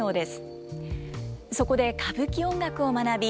そこで歌舞伎音楽を学び